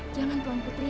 jangan tuhan putri